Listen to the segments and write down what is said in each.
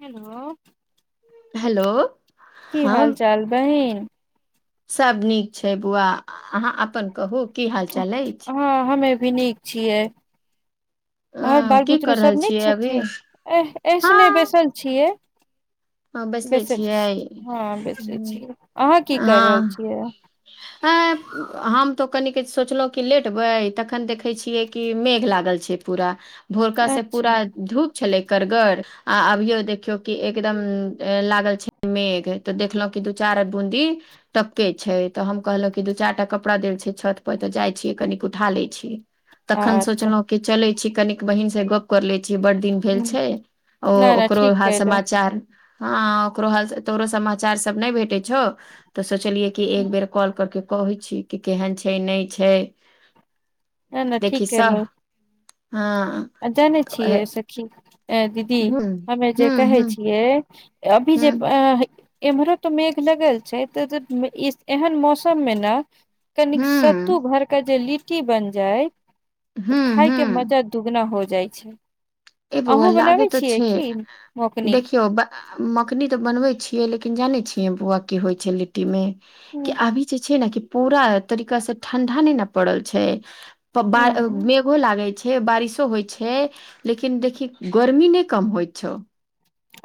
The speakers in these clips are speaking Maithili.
हेलो। हेलो। की हाल चाल बहिन? सभ नीक छै, बौआ अहाँ अपन कहू? की हाल चाल अछि हँ, हमे भी नीक छियै। आओर अ बाल की बुतरू कर रहल सभ नीक छियै अभी छथिन, ऐह एऐसने बैसल छियै। हँ, बैसले बैसल छी छियै, हँ बैसल छियै अहाँ की कर रहल हँ। छियै हम तऽ कन सोचलहु कि लेटबै तखन देख। देखै छियै कि मेघ लागल छै, पूरा भोरकासे पूरा अच्छा धूप। छलै कारगर आ अभियो देखियौ कि एक। एकदम लागल छै, मेघ तऽ देखलहु कि दू चार बूदी तटपके छै, तऽ हम कहलहुँ कि दू चारि टा कपड़ा देल छै छत पर, तऽ जाइ छियै कनिक उठा लैत छियै। तखन अच्छा सोचलहुँ कि चलै छै कनिक बहिनसे गप। कर ले छै बड दिन भेल ह छै, ओ नहि नहि ओकरो ठीक ह सम। केलहु ह ओ तो समाचार सभ नहि भेटे छै। छै, तऽ सोचलियै कि एक बेर कॉल करके कहै छै। कि केहन छै, नहि छै नहि नहि ठीक देखिसँ। केलहु हँ। जानै ह छियै सखी दीदी ह हमे जे ह कहै ह छिये। अभी ह जे। एम्हरो तऽ मेघ लगल छै, त एहन मौसमे ने कनिक सत्तू घरके जे लिट्टी बनि जाय ह तऽ खाय ह के मजा। दुगुना हो जाइ छै। ए बौआ अहूँ लागे बनाबै तऽ छियै छै, की मौकनी देखियौ। मखनी तऽ बनबै छियै लेकिन जाने छियै बौआ की होइ छै लिट्टी मे कि ह अभी जे छै नऽ कि पूरा तरीका सँ ठंडा नहि नऽ पड़ल छै प बा मेघो लागै छै बारिशो होइ छै लेकिन देखही गर्मी नहि कम होइत छौ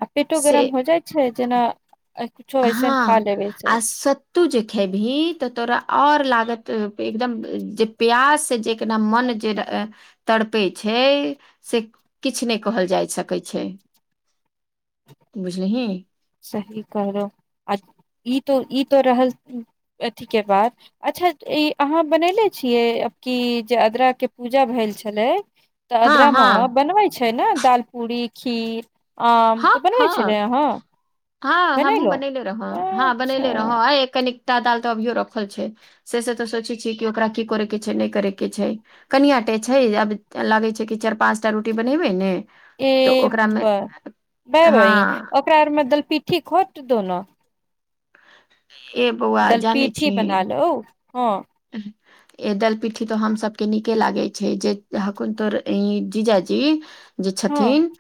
आ पेटो से गरम हो जाइ छै जेना कुछो ऐसन खा लेबै सँ तू जे खेबही तऽ तोरा आऔर लागत एकदम जे प्यास से जे केना मन जे तड़पे छै से किछ नहि कहल जाय सकै छै बुझलिही सही कहलहुँ आ ई तो ई तो रहल अथी के बात अच्छा ई अहाँ बनले छियै आब कि जे अदराक के पूजा भेल छलै तऽ हाँ अदराम हाँ बनबै छै न दाल पूरी खीर आ तो बनबै छलै अहाँ हँ हमहूँ बनैलो बनले रहुँ हँ अच्छा बनले रहुँ आ कनिकटा दाल तऽ अभियो रखल छै से सब तऽ सोचै छियै कि ओकरा की करे के छै नहि करेके छै कनियाँ अटे छै आब लागैत छै कि चार पाँच टा रोटी बनेबै ने ए तऽ ओकरामे [unintelligible] हाँ ओकरा आर मे दल पिट्ठी खोट दू ने ए बौआ दल जानै छी पीठी बना लो हँ [inaudible] ए दल पिट्ठी तो हमसभके नीके लागे छै जे हकुन तोर ई जीजाजी जे हँ छथिन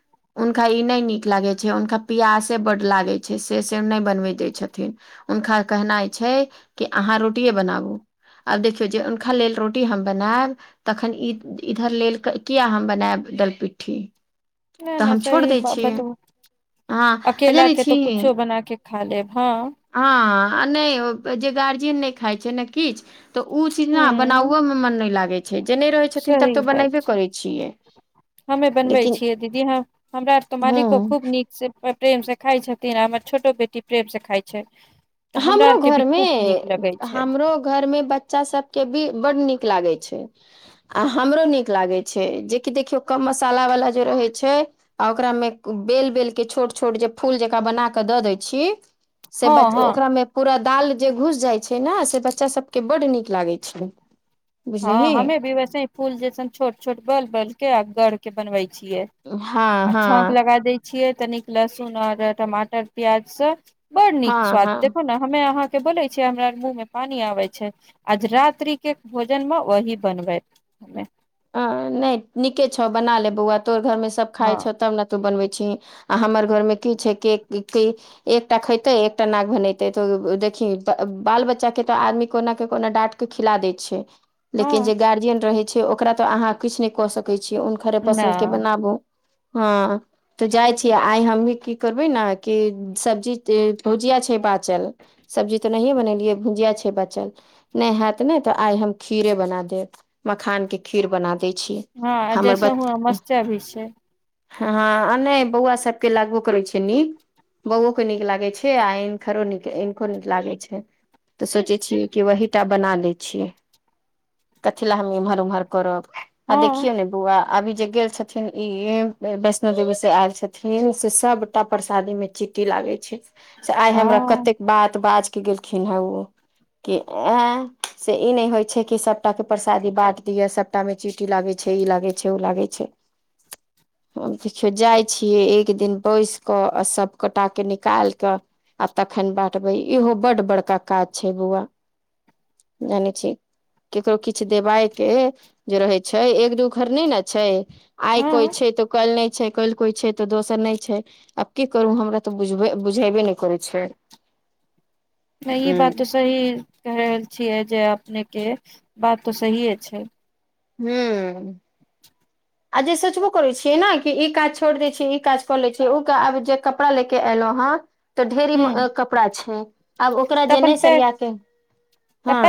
हुनका ई नहि नीक लागे छै हुनका पियासे बड लागे छै से से नहि बनबे देय छथिन हुनका कहनाइ छै कि अहाँ रोटिए बनाबू आब देखियौ जे हुनका लेल रोटी हम बनायब तखन ई इधर लेल किया हम बनायब दलपिट्ठी नहि तऽ नहि हम छोड़ सहि दै ब छियै बता उऽ हँ आ अकेल जानै के तो छी कुछो बना के खा लेब हँ हँ आ नहि जे गार्जियन नहि खाइ छै ने किछ तऽ उ चीज ने हूँ बनाउओमे मन नहि लागै छै जे नहि रहैत छथिन सही तब तऽ बात बनबे छै करै छियै हमे बनवे लेकिन छियै दीदी ह हमरा आर तो हँ मालिको खूब नीक से प्रेम से खााय छथिन हमर छोटो बेटी प्रेम सँ खाइ छै तऽ हमरा हमरो आरके भी घरमे खूब नीक लगै छै हमरो घर मे बच्चा सब के भी बड्ड नीक लागै छै आ हमरो नीक लागैत छै जेकि देखियौ कम मसालावला जे रहै छै आ ओकरामे बेल बेल के छोट छोट जे फूल जकाँ बना कऽ दऽ दै छी से हँ बच्च हँ मे पूरा दाल जे घुस जाइ छै ने से बच्चा सबके बड्ड नीक लागे छै हँ बुझलिही हमे भी वैसेही फूल जैसन छोट छोट बेल बेल के आ गढ़ के बनबै छियै हँ आ छौक हँ लगा दै छियै तनिक लहसुन आओर टमाटर प्याजसँ बड़ नीक हँ स्वाद हँ देखो न हमे अहाँ के बोले छियै हमरा अर मुँह मे पानी आबै छै आज रात्रि के भोजन मऽ वही बनबै हमे अ नहि नीके छौ बना ले बौआ तोहर घरमे सब खाय हँ छ तब न तू बनबै छही आ हमर घरमे कि छै किएक कि एकटा खेते एकटा नाक भनेते तऽ देखी बाल बच्चा के तऽ आदमी कोना के कोना डाँट खिला दै छै लेकिन जे हँ गार्जियन रहै छै ओकरा तऽ अहाँ किछ नहि कऽ सकै छियै घरे न पसन्द के बनाबू हँ तऽ जाइ छियै आइ हमही की करबै ने कि सब्जी भुजिया छै बाचल सब्जी तऽ नहिए बनेलियै भुजिया छै बाचल नहि होयत नहि तऽ आइ हम खीरे बना देब मखान के खीर बना दै छी हँ हमर जैसे बच हुआ मस्चा भी छै हँ आ नहि बौआ सबके लागू करै छै न निक बौओके नीक लागै छै, आ हिनकरो नीक इनको नीक लागै छै। तऽ सोचे छियै कि वहीटा बना लै छियै कथी लए हम इम्हर उम्हर। करब आ हँ देखिय ने बुआ। अभी जे गेल छथिन इ वैष्णो देवीसे आयल छथिन से सभटा परसादीमे चिट्ठी लागे छै, से आइ हमरा हँ कतेक बात बाजके गेलखिन हे ओ। कि ऐ से ई नहि होइ छै, कि सभटा के परसादी बाँट दिय सभ आटामे चीटी लागे छै, ई लागे छै, ओ लागे छै। देखियौ जाइ छियै एक दिन बैस कऽ आ सभ गोटके निकालि कऽ। आ तखन बाँटबै इहो बड बड़का काज छै, बौआ। जानै छै ककरो किछु देबायके। जे रहै छै, एक दू घर नहि ने छै। आइ कोइ हँ छै, तो कल्हि नहि छै, कल कोइ छै, तऽ दोसर नहि छै। आब की करू हमरा तऽ बुझब बुझेबे नहि करै छै। नहि ई बात हूँ तऽ सही कह रहल छियै, जे अपनेके बात तऽ सहिए छै। हू। आजे सोचबो करैत छियै ने कि ई काज छोड़ि दै छियै ई काजकऽ लैत छै ओ आब जे कपड़ालेके एलहु हे। तऽ ढेरी ह कपड़ा छै, आब ओकरा तऽ जे अपन नहि पैघ सरियाके हँ।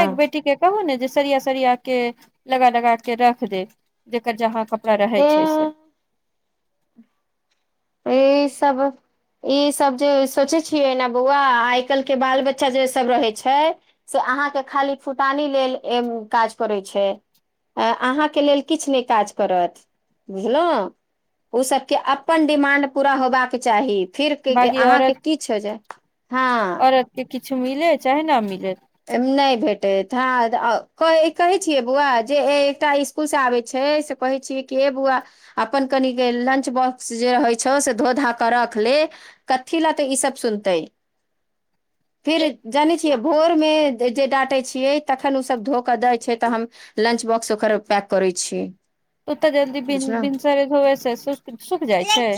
कहु ने जे सरिया सरियाके लगा लगाके रख देब जकर जहाँ कपरा। रहै छै, से ए ई सभ। ई सभ जे सोचे छियै, ने बौआ आइ कलके बाल बच्चा जे सभ रहे छै। से अहाँकेँ खाली फुटानी लेल काज करैत छै। अहाँकेँ लेल किछु नहि काज करत बुझलहुँ। ओ सभके अपन डिमांड पूरा होबाक चाही फिर अहाँकेँ किछु हो जाय। हँ औरतके किछु मिलै चाहे न मिलै। नहि भेटैत हँ कहै छियै बौआ जे एकटा। स्कूलसे आबै छै, से कहै छियै कि हे बौआ। अपन कने लंच बॉक्स जे रहैत छौ से धोधा करख ले। कथी लतै ई सभ सुनते फेर जानै छियै भोर। मे जे डाँटे छियै तखन ओ सभ धो कऽ दै छै, तऽ हम लंच बॉक्स ओकर पैक करै छियै। ओतऽ जल्दी बुझलहु भिनसर धोयसँ सुख सुखि जाइ छै।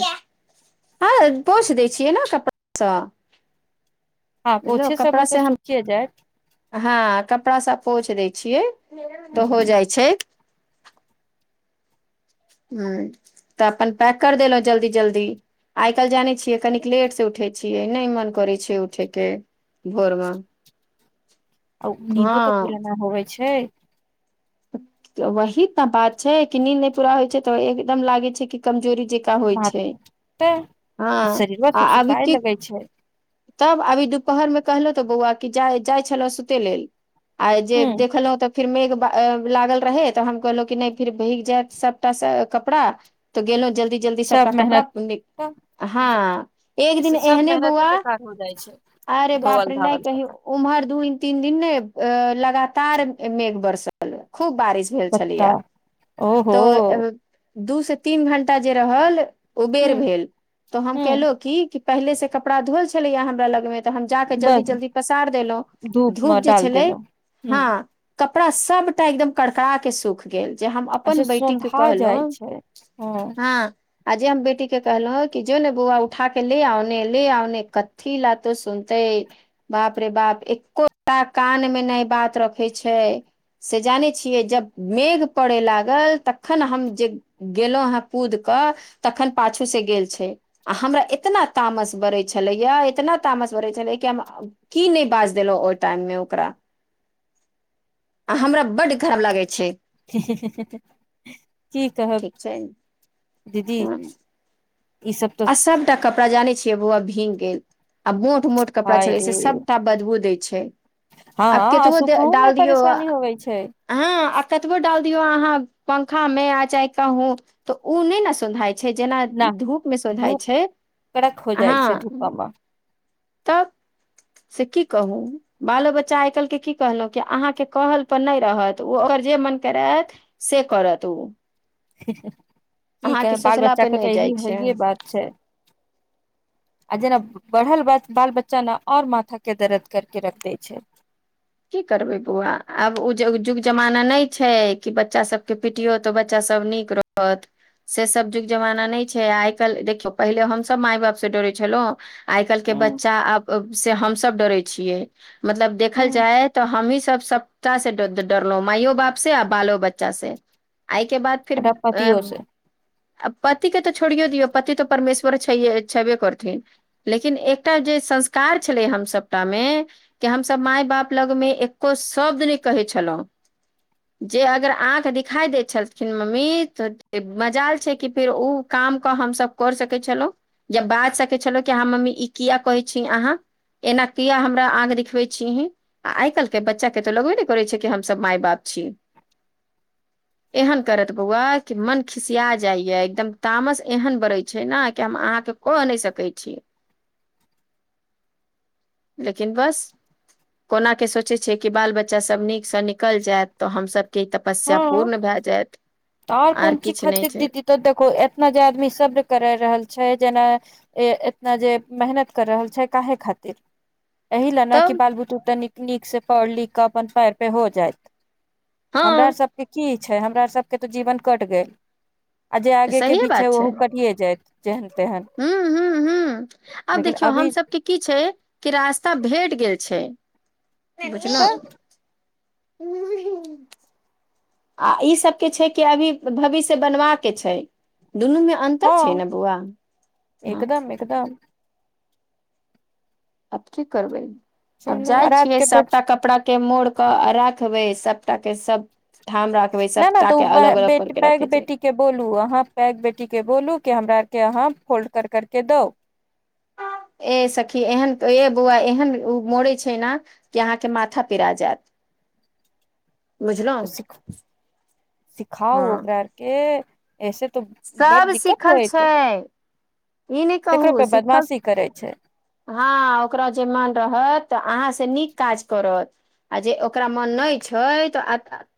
हँ, पोछि दै छियै ने कपड़ासँ हँ, बुझलहु पोछे समय तऽ कपड़ासँ हम सुखिए जाए। हँ, कपड़ा सा पोछि दै छियै, ह तऽ हो जाइ छै। ह तऽ अपन पैक कर देलो जल्दी जल्दी। आइ काल्हि जानै छियै, कनिक लेट से उठै छियै नहि मन करै छै, उठैके। भोरमे। आ नींदो तऽ हँ पूरा ना होवे छै। वही त बात छै, कि नींड नहि पूरा होइ छै तऽ एकदम लागै छै, कि कमजोरी जे ह तऽ आ शरीरोके अभी सुखाए की लगै छै। तब अभी दुपहरमे कहलहु तऽ बौआ कि जा जाइ छलौ सुते लेलऽ आइ जे ह देखल तऽ। फिर मेघ लागल रहे तऽ हम कहलहुँ कि नहि फिर भिंग जायत सभटा कपड़ा। तऽ गेलहुँ जल्दी जल्दी सभटा सब कपड़ा मेहनत तऽ हँ एक दिन ऐसे सब एहने मेहनते बौआ। बेकार हो जाइ छै। अरे बाप धोवल रे नहि धावल कहहि कपड़ा उम्हर दू दिन तीन दिनने अ लगातार मेघ बरसल। खूब बारिश भेल बता छलैया। ओहो। तऽ दू से तीन घंटा जे रहल ह ओबेर भेल तऽ हम ह केलहुँ कि। पहिले से कपड़ा धोअल छलैया हमरा लग मे तऽ हम जाके जल्दी बस जल्दी पसार देलहुँ मे धूप जे डाल छलै देलहुँ ह हँ कपड़ा सबटा एकदम कड़कड़ा के सुख गेल जे हम अच्छा अपन बैटी के सोन्धा जाइ कहलहुं छै हँ आ जे हम बेटी के कहलहुं कि जो ने बौआ उठा के ले आउने क थि ल तो सुनतेै बाप रे बाप एकोटा कान मे नहि बात रखै छै से जानै छियै जब मेघ पड़य लागल तखन हम जे गेलहुँ हाँ कूद कऽ तखन पाछू से गेल छै आ हमरा एतना तामस बड़ै छलैया इतना तामस भरै छलै कि हम की नहि बाज देलहुं ओहि टाइम मे ओकरा आ हमरा बड खराब लागै छै की कहब ठीक छै दीदी हँ। ई सब तऽ आ सबटा कपड़ा जानै छियै बौआ भींग गेल आ मोट मोट कपड़ा हाय छलै रे से सभटा बदबू दै छै आब हँ केतबो सुखहु मे डाल दियौ परेशानी होवे छै ह आ कतबो डाल दियो अहाँ पंखा मे आ चाहे कहुं तऽ उ नहि ने सुधाय छै जेना न धूप मे सोझाए धूप छै कड़क हो जाइ छै धूप मे तब से की कहू बालो बच्चा आइ काल्हिके की कहलहु कि अहाँके कहल पर नहि रहत ओ ओकर जे मन करत से करत उ की कह बाल सोचला बच्चा पर के नहि तऽ जाइ इही छै हे बात छै आ जेना बढ़ल बाल बच्चा ने और माथा के दर्द कर के रख दैय छै की करबे बौआ आब ओ युग जमाना नहि छै कि बच्चा सब के पिटियौ त बच्चा सब नीक रह अत से सब जुग जमाना नहि छै आइ काल्हि देखियौ पहिले हमसभ माय बाप से डरै छलहुँ आइ काएल के ह बच्चा आब से हम सब डरे छियै मतलब देखल तऽ हमही सब सप्त से डरलो माययो बाप से आ बालो बच्चा से आइके बाद फिर ह अ पतियो से आ पति के तऽ छोड़ियै दियौ पति तऽ परमेश्वर छ छेबे करथिन लेकिन एकटा जे संस्कार छलै हम सपटा मे कि हमस माय बाप लगमे एकको शब्द नहि कहै छलहुँ जे अगर आँख दिखाई देय छलखिन मम्मी तऽ मजाल छै कि फेर उ काम क हमसभ कर सकै छलहुं या बाज सकै छलहुं कि ह मम्मी ई किया कहै छी अहाँ एना किया हमरा आग देखिबे छीही आ आइ काल्हि के बच्चा के तऽ लगबे नहि करै छै कि हमसभ माय बाप छी एहन करत बौआ कि मन खिसिया जाइया एकदम तामस एहन बड़ै छै ने कि हम अहाँके क नहि सकै छियै लेकिन बस कोना के सोचै छियै कि बाल बच्चासभ नीकसँ निकलि जायत तऽ हमसभके तऽ तपस्या हँ पूर्ण भए जायत आर कोन चीज किछु नहि खातिर छै दीदी तऽ देखो एतना जे आदमी सर्ब करा रहल छै जेना ए एतना जे मेहनत कर रहल छै काहे खातिर एहि लए न कि तब बाल बुतु तऽ न नीक से पढ़ लिख कऽ अपन पैर पे हो जायइत हँ हमरा आर सबके की छै हमरा आर सबके तो जीवन कटि गेल आ जे आगे के सहिए पि छै बात ओहो करियए जायइत जेहन तेहन हू लेकिन अवी कि की छै कि रास्ता भेट गेल छै बुझलहु तऽ ह [unintelligible] आ ई सब के छै कि अभी भविष्य बनवा के छै दुनू मे अन्तर छै ने बौआ हँ त तऽ आब की करबै आब चलू आ जाइ रात छियै के सबटा बच कपड़ा के मोड़ क राखबे सबटा के सब ठाम राख नहि नहि सबटा तऽ के ओ अलग अलग कर बेटी के पैघ रखे छै बेटी के बोलू अहाँ पैक बेटीक के बोलू कि हमरा आरके अहाँ फोल्ड करके दउ ए सखी एहन ए बौआ एहन ओ मोड़े छै न कि अहाँके माथा पिरा जायत बुझलहु त सिखाउ हँ ओकरा अरके ऐसे तो बड सब दिक्कत सिखल होइत छै ई नहि तकरो कहू पे सिखल बदमाशी करै छै हँ ओकरा जे मन रहतऽ अहाँ से नीक काज करत आ जे ओकरा मन नहि छै तऽ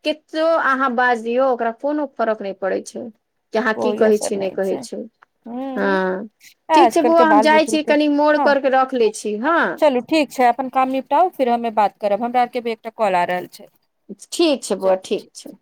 केतो अहाँ बाज दियौ ओकरा कोनो फरक नहि पड़ै छै कि अहाँ की कहै छै नहि कहै छै हँ हूँ ठीक छै आजकल के बौआ हम बाल जाइ बुतरू छी के कनि मोड़ हँ करके रख लै छी हँ चलू ठीक छै अपन काम निपटाउ फेर हमे बात करब हमरा आरके भी एकटा कॉल आ रहल छै ठीक छै बौआ ठीक छै